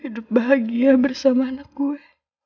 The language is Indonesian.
hidup bahagia bersama anak gue